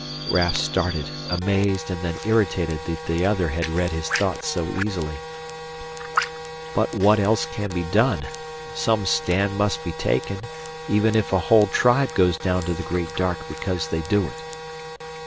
Raf started, amazed and then irritated that the other had read his thoughts so easily. "But what else can be done? Some stand must be taken, even if a whole tribe goes down to the Great Dark because they do it."